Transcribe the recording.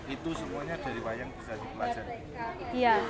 itu semuanya dari wayang bisa dipelajari